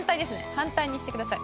反対にしてください。